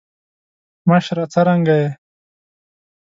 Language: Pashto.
مشره څرنګه یی.